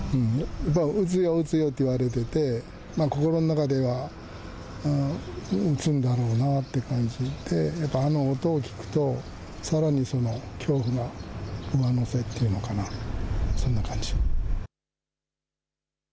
やっぱり撃つよ撃つよと言われてて心の中では撃つんだろうなという感じで、やっぱあの音を聞くとさらにその恐怖が上乗せっていうのかな、そんな感じ。